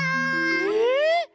えっ！